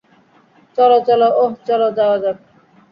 চলো চলো -ওহ -চলো যাওয়া যাক।